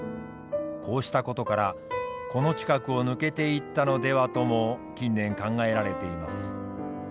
こうしたことからこの近くを抜けていったのではとも近年考えられています。